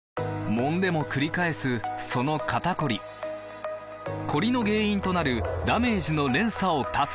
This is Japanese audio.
もんでもくり返すその肩こりコリの原因となるダメージの連鎖を断つ！